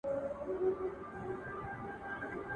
په مابينځ کي یو لوی غار دی.